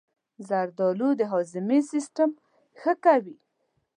زردآلو د هاضمې سیستم ښه کوي.